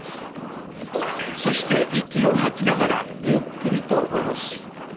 そして息を吐きながらゆっくりと下ろす。